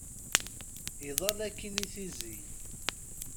Iḍal akkin i tizi.